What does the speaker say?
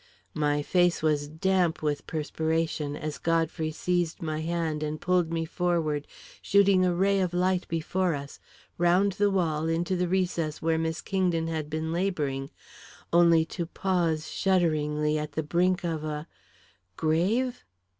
My face was damp with perspiration, as Godfrey seized my hand and pulled me forward, shooting a ray of light before us, round the wall into the recess where Miss Kingdon had been labouring only to pause, shudderingly, at the brink of a grave?